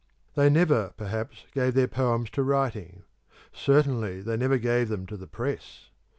They never, perhaps, gave their poems to writing; certainly they never gave them to the press.